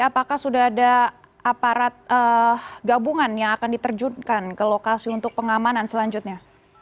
apakah sudah ada aparat gabungan yang akan diterjunkan ke lokasi untuk pengamanan selanjutnya